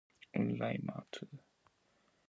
Siimet coaatjö quih hyoqueepe, htahit x.